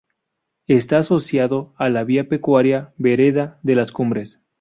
Está asociado a la vía pecuaria Vereda de las Cumbres.